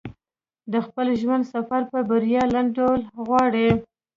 د خپل ژوند سفر په بريا لنډول غواړي.